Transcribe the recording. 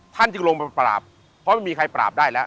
ท่านจึงลงไปปราบเพราะไม่มีใครปราบได้แล้ว